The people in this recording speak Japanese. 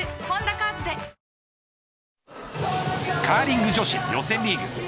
カーリング女子予選リーグ。